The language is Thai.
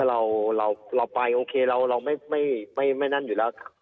เราไปโอเคเราไม่นั่นอยู่แล้ว